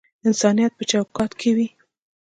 انسانیت په چوکاټ کښی وی